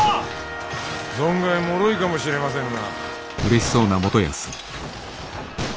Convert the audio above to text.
存外もろいかもしれませぬな。